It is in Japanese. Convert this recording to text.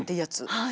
はい。